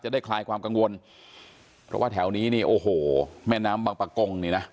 ได้คลายความกังวลเพราะว่าแถวนี้นี่โอ้โหแม่น้ำบางประกงนี่นะ